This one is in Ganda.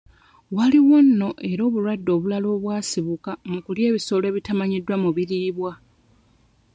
Waliwo nno era obulwadde obulala obwasibuka mu kulya ebisolo ebitamanyiddwa mu biriibwa.